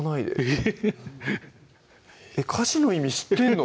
えぇっ歌詞の意味知ってるの？